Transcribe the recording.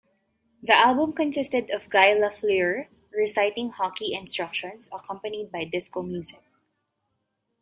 The album consisted of Guy Lafleur reciting hockey instructions, accompanied by disco music.